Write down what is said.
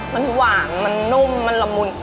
มันหวานมันนุ่มมันละมุน